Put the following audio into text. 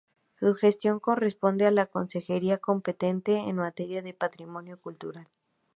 Su gestión corresponde a la Consejería competente en materia de Patrimonio Cultural.